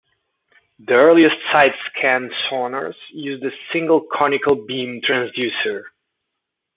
The earliest side-scan sonars used a single conical-beam transducer.